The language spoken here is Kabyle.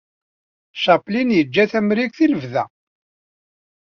Chaplin yeǧǧa Tamrikt i lebda.